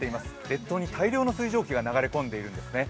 列島に大量の水蒸気が流れ込んでいるんですね。